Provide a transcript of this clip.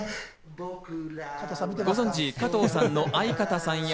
ご存じ加藤さんの相方さんや。